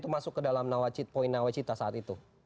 masuk ke dalam nawacita saat itu